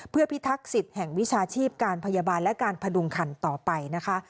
เพื่อพิทักษิตแห่งวิชาชีพการพยาบาลและการพดุงคันต่อไปนะคะ